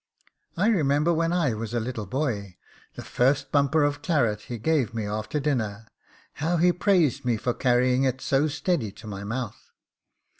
I remember when I was a little boy, the first bumper of claret he gave me after dinner, how he praised me for carrying it so steady to my mouth.